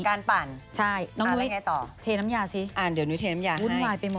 การปั่นอะไรยังไงต่อเทแน้มยาสิวุ่นวายไปหมดมาออเดี๋ยวหนุ้ยเทแน้มยาให้